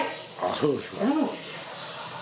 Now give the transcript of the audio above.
そうですか。